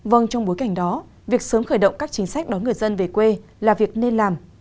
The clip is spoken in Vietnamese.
vâng trong bối cảnh đó việc sớm khởi động các chính sách đón người dân về quê là việc nên làm